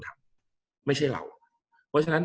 กับการสตรีมเมอร์หรือการทำอะไรอย่างเงี้ย